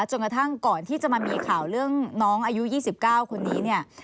จนกระทั่งก่อนที่จะมามีข่าวเรื่องน้องอายุ๒๙คนนี้เนี่ย